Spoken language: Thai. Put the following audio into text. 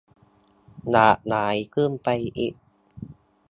หลากหลายขึ้นไปอีก